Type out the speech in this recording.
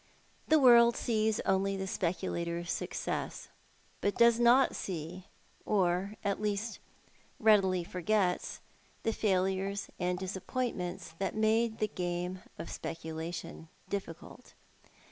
The world sees only the speculator's success, but does not see, or at least readily forgets, the failures and disappointments that made the game of speculation difficult.